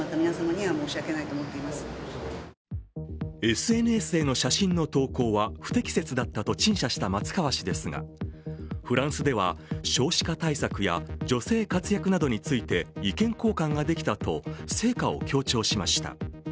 ＳＮＳへの写真の投稿は不適切だったと陳謝した松川氏ですがフランスでは少子化対策や女性活躍などについて意見交換ができたと成果を強調しました。